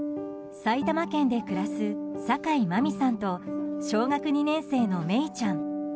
埼玉県で暮らす坂井真美さんと小学２年生の芽依ちゃん。